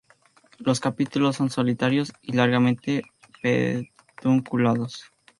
Los capítulos son solitarios y largamente pedunculados.